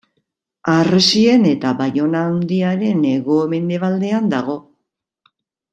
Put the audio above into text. Harresien eta Baiona Handiaren hego-mendebaldean dago.